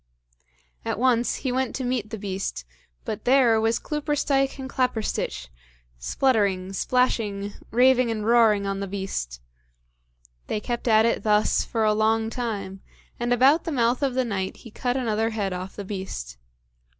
At once he went to meet the beast, but there was Cloopersteich and Claperstich, spluttering, splashing, raving, and roaring on the beast! They kept at it thus for a long time, and about the mouth of the night he cut another head off the beast.